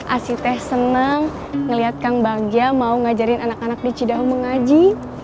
asyiteh senang ngeliat kang bagia mau ngajarin anak anak di cidaho mengaji